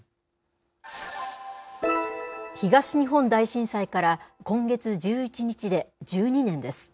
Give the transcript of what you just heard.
東日本大震災から、今月１１日で１２年です。